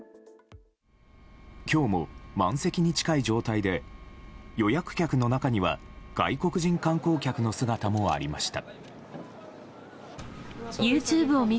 今日も満席に近い状態で予約客の中には外国人観光客の姿もありました。